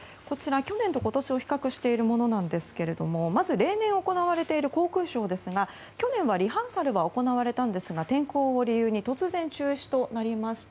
去年と今年を比較しているものですがまず例年行われている航空ショーですが去年はリハーサルは行われたんですが天候を理由に突然、中止となりました。